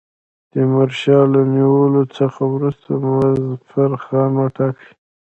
تیمورشاه له نیولو څخه وروسته مظفرخان وټاکی.